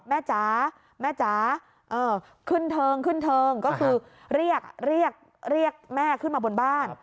แม่จ๋าขึ้นเทิงก็คือเรียกแม่ขึ้นมาบนบ้าน